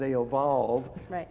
ketika mereka berkembang